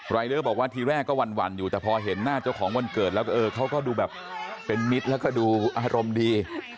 เดอร์บอกว่าทีแรกก็หวั่นอยู่แต่พอเห็นหน้าเจ้าของวันเกิดแล้วก็เออเขาก็ดูแบบเป็นมิตรแล้วก็ดูอารมณ์ดี